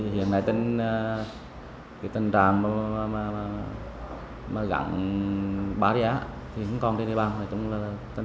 hiện nay tầng trạm gắn barrier thì không còn trên địa bàn tầng thân chức là ổn định